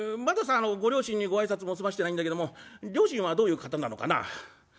まずはさご両親にご挨拶も済ましてないんだけども両親はどういう方なのかな？」。